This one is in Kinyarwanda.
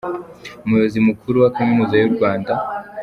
Umuyobozi mukuru wa Kaminuza y’u Rwanda.